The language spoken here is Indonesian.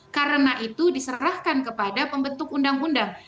karena itu diserahkan kepada pembentuk undang undang